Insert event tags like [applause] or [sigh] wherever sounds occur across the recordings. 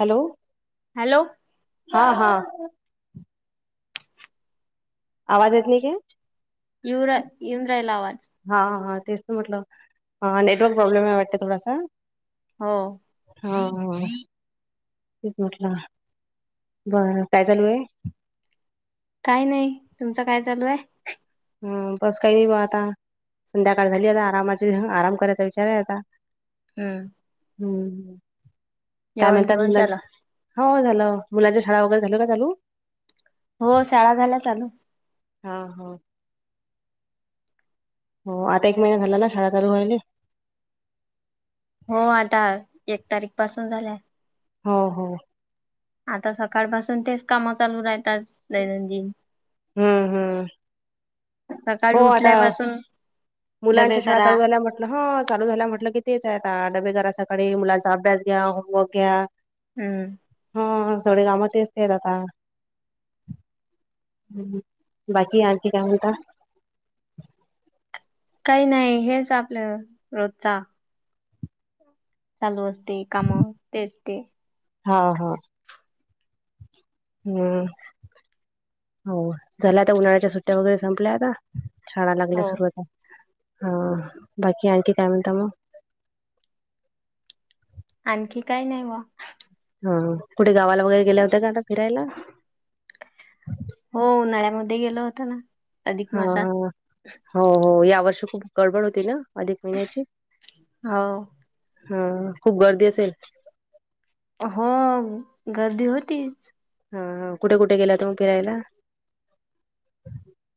Hello - hello. हा हा. आवाज येत नाही काय युरा येऊन राहिला आवाज. हा हा, तेच तर म्हटलं ह नेटवर्क प्रॉब्लेम आहे वाटत थोडासा, हो, हा हा, तेच म्हटलं बर काय चालू आहे. काय नाही. तुमचं काय चालू आहे. [unintelligible] संध्याकाळ झाली, आता आरामाची आराम करायचा विचार आहे आता हम्म, हम्म हम, काय जेवण म्हणतात. घेऊन मग दाजी झालं हो झालं, मुलांच्या शाळा वगैरे झाला ना चालू. हो, शाळा झाल्या चालू. हा हा, हो, आता एक महिना झाला ना शाळा चालू व्हायला. हो, आता एक तारीख पासून झाल्या. हो हो, आता सकाळ पासून तेच काम चालू राहतात दैनंदिन. हम हम, हो, सकाळी आता उठल्यापासून डबे मुलांच्या शाळा करा चालू झाल्या पण, हा, चालू झाला म्हटलं की तेच आहे. आता डबे करा सकाळी मुलांचा अभ्यास घ्या, होमवर्क घ्या. हम्म, हा हा हा, सगळे काम तेच केल आता बाकी आणखी काय म्हणता. काही नाही. हेच आपल्या रोजचा चालू असते. काम तेच ते, हा हा, हम्म, होय झाल्या. आता उन्हाळ्याच्या सुट्टया वगैरे संपल्या आता. छाला लागल्या. हो सुरुवात हा बाकी आणखी काय म्हणता मग, आणखी काय नाही ओ, हा हा, कुठे गावाला वगैरे गेल्या होत्या, का आता फिरायला. हो, उन्हाळ्यामध्ये गेलो होतो ना, अधिक हा मासात हा, हो हो, या वर्षी खूप गडबड होती. ना अधिक महिन्याची हो, हा हा, खूप गर्दी असेल. हो, गर्दी होतीच. हा हा, कुठे कुठे, गेलात मग फिरायला.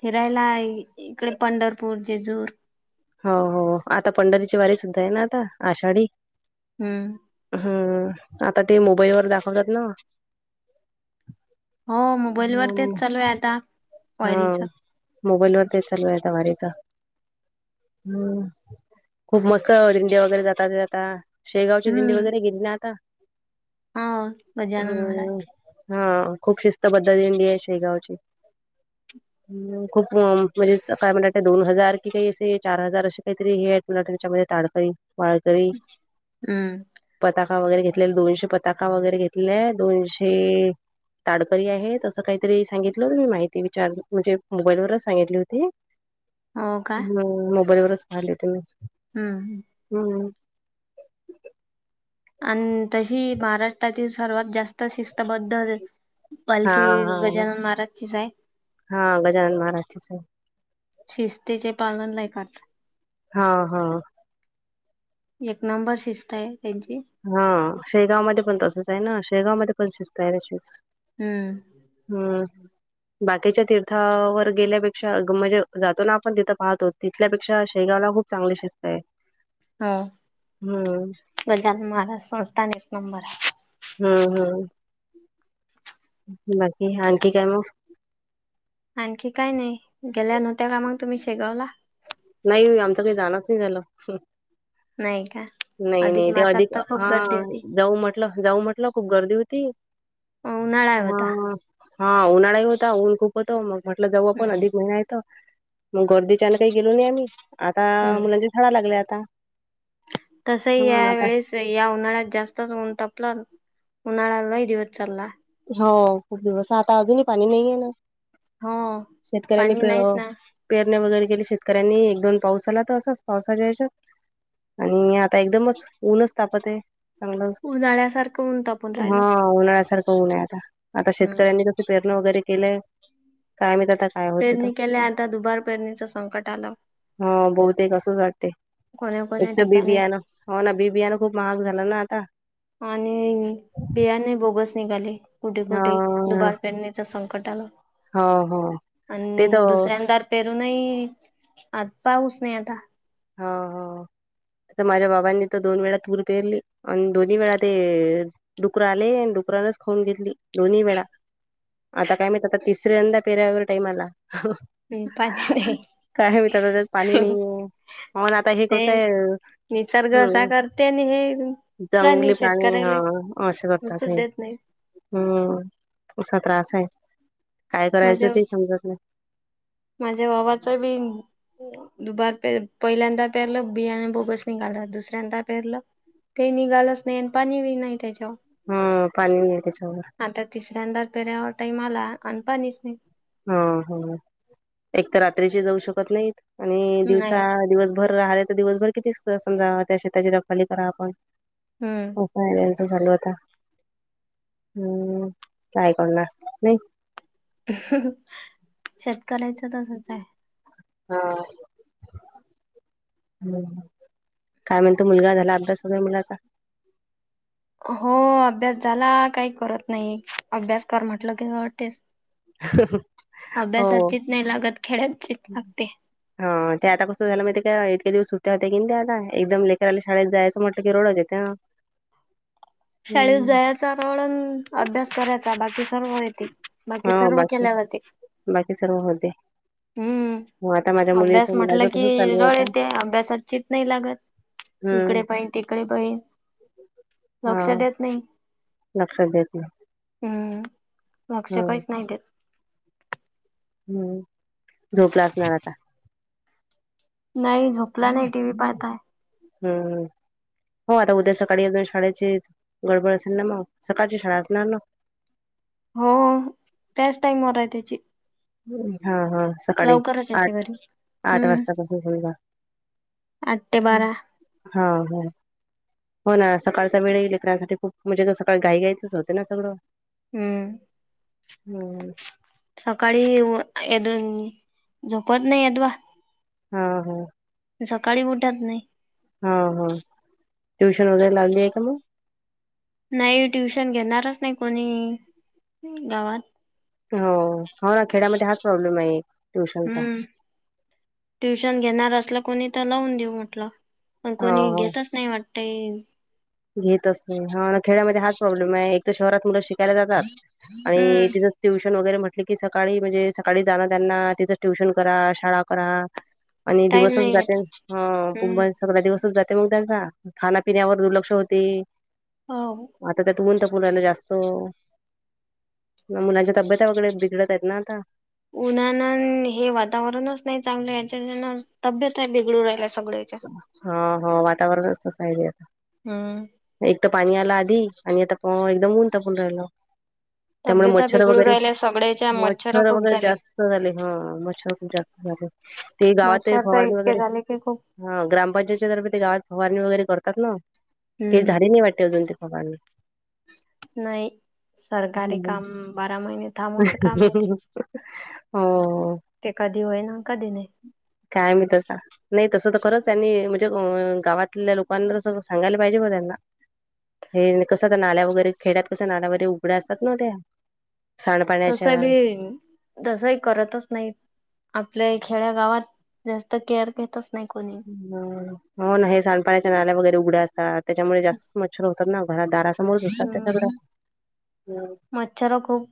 फिरायला इकडे पंढरपूर, जेजूर हो हो, आता पंढरीची वारी सुद्धा आहे. ना आता आषाढी हम्म, हम्म, आता ते मोबाईल वर दाखवतात ना, हो, मोबाईल वर हम्म तेच चालू आहे. आता हा वारीच मोबाईल वर ते चालू आहेत. आता वारीच हम्, खूप मस्त दिंडे वगैरे जातात. ते जाता शेगावची दिंडी हम्म वगैरे गेली. ना आता हो गजानन हम्म, महाराजचे हा खूप शिस्त पद्धत दिंडी आहे. शेगावची [unintelligible] की ते, असे चार हजार असे काहीतरी हे आहेत. तुला त्याच्यामध्ये ताडकरी माळकरी हम्म पताका वगैरे घेतलेला. दोनशे पताका वगैरे घेतलाय. दोनशे ताडकरी आहे. तसं काहीतरी सांगितलं मी माहिती त विचार म्हणजे मोबाईलवरच सांगितली होती. हो का हम्म, मोबाईलवरच [unintelligible] हम्म ह हम्म आणि तशी महाराष्ट्रातील सर्वात जास्त शिस्तबद्ध. हा पालखी हा गजानन महाराजचीच आहे. हा गजानन महाराजचीच आहे शिस्तीचे पालन नाही करतात. हा हा एक नंबर शिस्त आहे त्यांची हा शेगाव मध्ये पण तसंच आहे ना शेगाव मध्ये पण शिजतायर शिस हम्म. हम् बाकीच्या तीर्थावर गेल्यापेक्षा म्हणजे जातो ना आपण तिथं पाहतोत तिथ ल्यापेक्षा शेगावला खूप चांगली शिस्त आहे. ह हम्म गाज्यानान महाराज संस्था एक नंबर आहे. हम्म हम्म बाकी आणखी काय म आणखी काय नाही गेल्या नव्ह त्या का मग तुम्ही शेगावला. नाही आमचं काही जाण च नाही झालं. नाही का नाहीय नाही ते मासात अधिक तर खूप हा गर्दी होती जाऊ म म्हटलं जाऊ म्हटलं खूप गर्दी होती. अ उन्हाळा आता. हा हा उन्हाळा होता ऊन खूप होतो मग म्हटलं जवळ पण अधिक हम्म महिना येतो. मग गर्दीच्यान काही गेलो नाही आम्ही आता मुलांच्या शाळा लागल्या आता. तसही हा या आता वेळेस. या उन्हाळ्यात जास्तच ऊन टापलं उन्हाळ्याला दिवस चाला. हो खूप दिवस आता अजूनही पाणी नाही आहे ना. हो शेतकऱ्यांनी पाणी प नाहीच ना पेरणे वगैरे केले शेतकऱ्यांनी एक दोन पाऊस झाला तर असाच पावसाच्या आयत आणि आता एकदमच ऊनच तापत आहे. चांगलं उन्हाळ्यासारखं ऊन तापून हा राहिलं. उन्हाळ्यासारखं आता हम्म शेतकऱ्यांनी कस पेरणं वगैरे केलंय कायम आ पेरणी केल्या आणिंत दुबार पेरणीचं संकट आलं. ह बहूतेक आसंच वाटते कोण्या कोण्या एक तर बीबी ठिकाणी आहे ना. हो ना बी बीयान खूप महाग झालं ना आता. आणि बियाणे बोगस निघाले कुठे हा कुठे दुबार परणे. संकट हो हो आलं ते तर दुसऱ्यांद पेरू नाही ई आत पाऊस नाही आता. हो हो. तर माझ्या बाबांनी तर दोन वेळा टूर पेरली आणि दोन्ही वेळा ते डुकररां आले आणि डुकरानच खाऊन घेतली दोन्ही वेळा. आता काय मा आता तिसऱ्यांदा पेरा्यावर टाईम आला.. हम्म पाणी नाही काय मतात त्यात पाणी नाहीये. मण आता हे ते कस निसर्ग असा हम्म. करते आणि हे प्राणी जंगली पाणी शेतकऱ्याला हा असे करतात रुचूच हे. देत नाही हम्म असा त्रास आहे काय करायचं माझ्या ते समजत नाही. माझ्या वावाच बी. दुबार प पहिल्यांदा पेरलं बिया बोगस निघाल दुसऱ्यांदा पेरलं. ते निघालच नाही आणि पाणी वि नाही त्याच्यावर हम पाणी य त्याच्यार. आता तिसऱ्यांदा पेरण्या टाईमआणनपाणीच नाही. हम्म हम्म एक तर रात्रीची जाऊ शकत नाहीत. आणि दिवसा नाही दिवसभर राहिले तर दिवसभर किती समजावा त्या शेताची रखावाली करा आपण हम्म, हो फयन याचं चालू आता, [inaudible] हम् काय करणार, नाही. [unintelligible] शेतकरायचं तसच आहे. हा [unintelligible] हम्म, काय म्हणतो मुलगा झाला, अभ्यास होग मुलाचा हो अभ्यास झाला, काही करत नाही. अभ्यास कर म्हटलं की नडतेच. अभ्यास हो. चीत नाही लागत, खेळतचीत लागते. हा, ते आता कसं झालं माहीत ते का इतके दिवस सुट्ट्या होत्या की त्या आता, एकदम लेकरराला शाळेत जायचं म्हटलं की रडच येते. [unintelligible] शाळेत हम्म. जायच रोळ अनं अभ्यास करायचा बाकी सर्व येते, बाकी हा सर्व बाकी केल्या जाते. [inaudible] बाकी सर्व होते हम्म हो आता माझ्या मुलीच अभ्यास मुलाच म्हटलं कि तसच चालू आहे रळ आता येत अभ्यासात चित नाही लागत, हम्म. इकडे पाहीन तिकडे पाहीन, [inaudible] लक्ष देत नाही लक्षात देत नाही [inaudible] हम् [inaudible] लक्ष हो काहीच नाही देत. हम्म [inaudible] झोपला असणार आता. नाही झोप [unintelligible] हम हो आता उद्या सकाळी अजून शाळेची गडबड असेल ना मग सकाळची शाळा असणार ना हो, त्याच टाइमवर आहे त्याची हम ह, ह. सकाळी लवकरच आठ, येते घरी आठ हम्म वाजता पासून आठ ते बारा [unintelligible] हा ह हो ना सकाळचा वेळ येई लेकरांसाठी खूप म्हणजे सकाळ घाई गायच होते ना सगळं हम्म, हम्म, सकाळी अय दन झपत नाही तव हा ह, सकाळी उठत नाही. हा हा, ट्युशन वगैरे लावली आहे का मग नाही ट्युशन घेणारच नाही कोणी [inaudible] गावात. हो, हो ना खेड्यामध्ये हाच प्रॉब्लेम आहे. ट्युशनचा हम्म, [inaudible] ट्युशन घेणार असलं कोणी तर लावून देऊ म्हटलं. पण हो कोणी हो घेतच नाही वाटतय घेतच नाही, ह खेड्यामध्ये हाच प्रॉब्लेम आहे. एक तर शहरात मुलं शिकायला जातात. आणि हम्म तिथं ट्युशन वगैरे म्हट की सकाळी म्हणजे सकाळी जाणं त्यांना तिचं ट्युशन करा शाळा करा आणि टाइम दिवसच नाही जाते भेटत हं, कुंभ हम्म सगळा दिवसच जाते मग त्यांचा खाण्यापिण्यावर दुर्लक्ष होते हवं, आता त्यात ऊन तपू राहिले जास्त. [inaudible] मुलांच्या तब्येत वगैरे बिघडत आहेत ना आता. उन्हानान हे वातावरणच नाही चांगलं, हेच्याचन तब्येत आहे बिघडू राहिला सगळ्याच्या हा हा वातावरणचतस आहे आता हम्म, एक तर पाणी आला आधी आणि आता एकदम ऊन तापून राहिलं, [inaudible] त्यामुळे तब्यता मच्छर बिघडू वगैरे, राहिल्या सगळ्याच्या [inaudible] मच्छर खूप वगैरे झाले जास्त झाले हा मच्छर खूप जास्त झाले. ते गावात आहे भवारडी वगैरे ते खूप हा ग्रामपंचायतच्या तर्फे ते गावात फवारणी वगैरे करतात ना, ते हम्म झाडे नाही वाटते अजून ती फवारणी नाही, सरकारी काम बारा महिने थांबुचं काम आहे ते हो. ते कधी होय ना, कधी नाही. काय माहित आता. नाही तस खरंच त्यांनी म्हणजे गावातल्या लोकांना तस सांगायला पाहिजे ब त्यांना. हे कसं तर नाल्या वगैरे खेड्यात कस नाल्या वगैरे उघड्या असतात ना त्या. तस सांडपाण्याच्या बी, तसंही करतच नाही. आपल्या खेड्या गावात, जास्त केअर घेतच नाही कोणी. हो ना, हे सांडपाण्याच्या नाल्या वगैरे उघड्या असतात त्याच्यामुळे जास्तच मच्छर होत. तर ना घरात दारासमोरच दिसतात हम्म त्या सगळं. मच्छर खूप.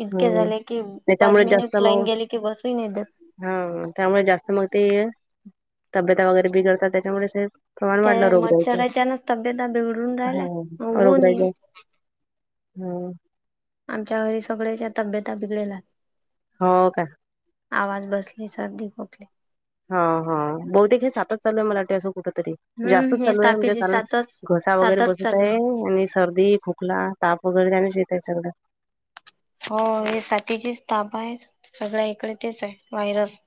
इतके हम्म झाले की, पाच त्याच्यामुळे जास्त मिनिट लाईन मग गेली की बसू नाही देत. हा त्यामुळे जास्त मग ते. तब्यता वगैरे बिगडतात त्याच्यामुळेच हे प्रमाण वाढला त्या रोगरायचा, मच्छराच्यानच तब्यता बिघडून राहिल्या हा होऊन रोगरायच. येईल हम्म. आमच्या घरी सगळ्याच्या तब्यता बिघडायल हो का? आवाज बसली सर्दी खोकले हा हा, बहुतेक हे सातच चालू आहे मला वाटते असं कुठ तरी जास्तच हम्म हे चालू आहे म्हणजे तापीची कारण. सातच घसा वगैरे सातच बसत चालू आहे, आणि सर्दी खोकला ताप वगैरे त्यानेच येत आहे सगळं. हो हे साथीचीच ताप आहे, सगळ एकड तेच आहे व्हायरस.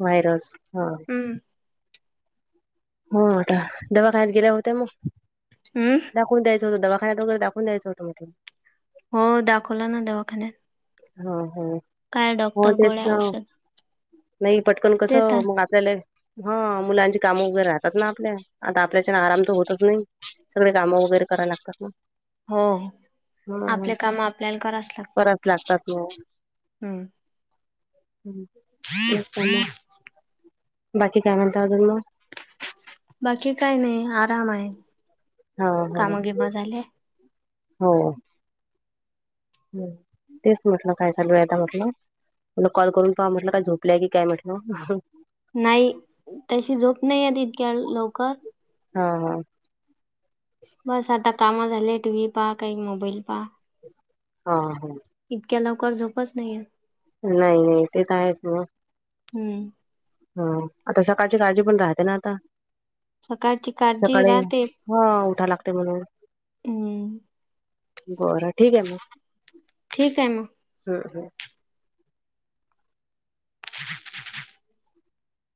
व्हायरस ह. हम्म. हो आता दवाखाण्यात गेल्या होत्या मग? हम्म. दाखवून द्यायचत दवाखान्यात वगैर दाखवून दयचं होत. हो दाखवला ना दवाखान्यात हा हा. काय डॉक्टर गोळ्या औषध. नाही पटकन कसं, मग देतात आपल्याला हा मुलांची कामं वगैरे राहतात ना आपल्या, आता आपल्याच्यान आराम तर होतच नाही. सगळे कामं वगैरे करायला लागतात ना. हो, ह आपले काम आपल्याला करावच लागतात. कराच लागतात ना. हम्म. तेच काम, बाकी काय म्हणत अजून मग? बाकी काय नाही आराम आहे. हा हा काम हा, गिम झाले हो. हम तेच म्हटलं काय चालू आहे आता म्हटलं. तुला कॉल करून पहा म्हटलं काय झोपलंय की काय म्हटलं. नाही. तशी झोप नाही येत इतक्या लवकर. हा हा. बस आता काम झाले टी व्ही पाहा काही मोबाईल पाहा. ह हा. इतक्या लवकर झोपच नाही येत नाही नाही ते तर आहेच मग. हम्म. ह आता सकाळची काळजी पण राहते ना आता सकाळची काळजी सकाळी राहते हा उठा लागते म्हणून हम्म. बरं ठीक आहे मग ठीक आहे मग हम हम. [unintelligible]